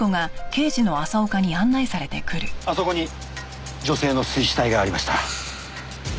あそこに女性の水死体が上がりました。